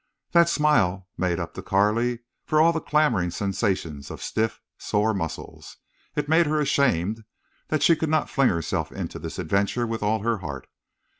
That smile made up to Carley for all the clamoring sensations of stiff, sore muscles. It made her ashamed that she could not fling herself into this adventure with all her heart.